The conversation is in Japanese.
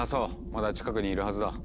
まだ近くにいるはずだ。